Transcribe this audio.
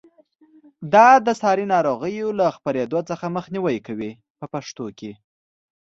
دا د ساري ناروغیو له خپرېدو څخه مخنیوی کوي په پښتو کې.